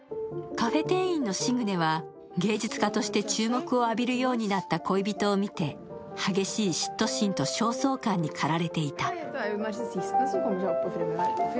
カフェ店員のシグネは芸術家として注目を浴びるようになった恋人を見て激しい嫉妬心と焦燥感に駆られていた。